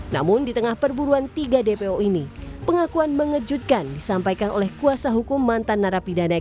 namun di tengah perburuan tiga dpo ini pengakuan mengejutkan disampaikan oleh kuasa hukum mantan narapidana dp